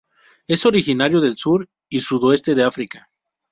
Es originario del sur y sudoeste de África.